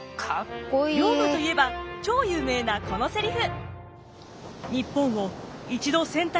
龍馬といえば超有名なこのセリフ。